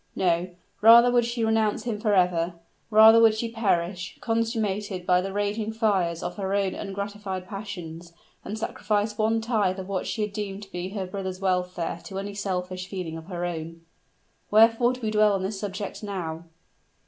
No, rather would she renounce him forever rather would she perish, consumed by the raging fires of her own ungratified passions, than sacrifice one tittle of what she deemed to be her brother's welfare to any selfish feeling of her own! Wherefore do we dwell on this subject now?